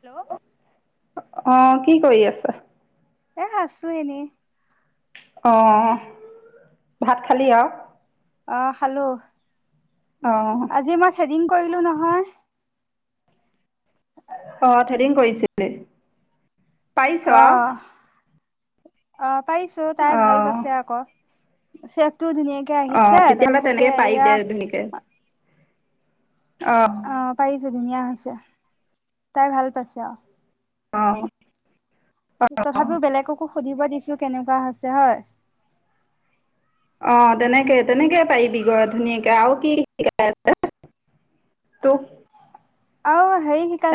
Hello অ কি কৰি আছা এ আছো এনেই অ ভাত খালি আৰু আহ খালো অঁ আজি মই ঠেদীং কৰিলো নহয় অ থেদিং কৰিছিলে পাইছৱ অ আ অ পাইছো তাই ভাল পাইছে আকৌ চেফ মাতটো ধুনীয়াকে অঁ আহিছে তেতিয়াহ'লে তাৰপিছতে তেনেকৈ পাৰিবি এয়া দে ধুনীয়াকৈ অঁ অ পাইছ ধুনীয়া হৈছে তাই ভাল পাইছে আৰু অহ তথাপিও বেলেগকো সুধিব দিছো কেনেকুৱা হৈছে হয় অঁ তেনেকৈ তেনেকৈ পাৰিবিগে ধুনীয়াকৈ আৰু কি শিকাইছে তোক অ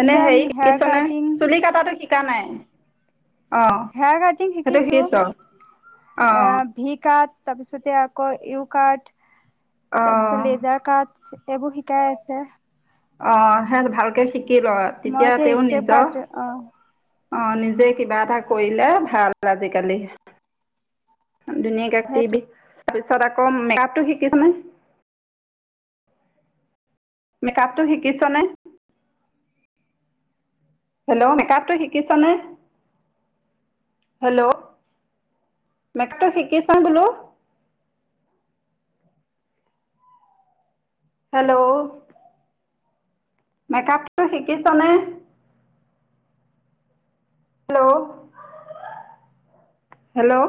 এনে হেৰি কিছনে চুলি কটাটো কি চিন্তা নাই অঁ হেয়াৰ কাৰটিং সেইটো শিকিছো শিকিছ এ অঁ ভি কাট তাৰপিছতে আকৌ ইউ কাট তাৰ পিছত অঁ লিজাৰ কাট এইবোৰ শিকাই আছে অ সে ভালকে শিক কি কৰ মই তেতিয়া এতিয়া তেওঁ ষ্টেপ নিজৰ কাট অ অ নিজে কিবা এটা কৰিলে ভাল আজিকালি ধুনিয়াকে সেই কাতিবি তাৰপিছত আকৌ মেকআপটো শিকিছ নে মেকআপটো শিকিছনে হেল্ল' মেকআপটো শিকিছনে হেল্ল' মেকআপটো শিকিছ বোলো হেল্ল' মেকআপটো শিকিছনে? Hello hello